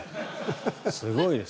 すごいです。